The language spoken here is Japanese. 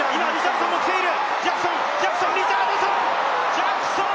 ジャクソン！